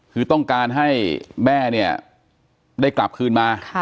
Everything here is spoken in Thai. คือต้องการให้แม่เนี่ยได้กลับคืนมา